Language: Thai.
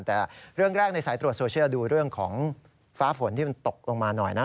แต่เรื่องแรกในสายตรวจโซเชียลดูเรื่องของฟ้าฝนที่มันตกลงมาหน่อยนะ